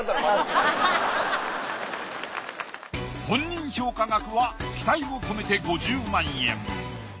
本人評価額は期待を込めて５０万円。